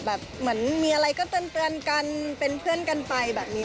เหมือนมีอะไรก็เตือนกันเป็นเพื่อนกันไปแบบนี้